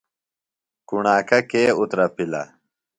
کُݨاکہ کے اُترپِلہ ؟